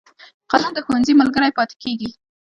قلم د ښوونځي ملګری پاتې کېږي